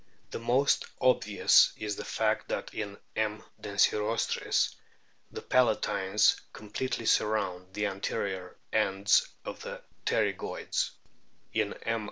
The most obvious is the fact that in M. densirostris the palatines completely surround the anterior ends of the pterygoids ; in M.